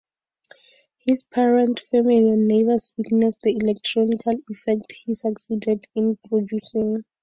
His parents, family, and neighbors witnessed the "electrical effect" he succeeded in producing.